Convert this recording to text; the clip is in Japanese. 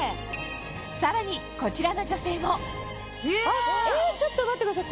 さらにこちらの女性もちょっと待ってください。